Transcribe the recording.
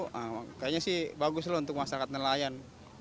kayaknya sih bagus loh untuk masyarakat nelayan